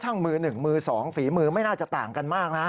อ๋อช่างมือหนึ่งมือสองฝีมือไม่น่าจะต่างกันมากนะ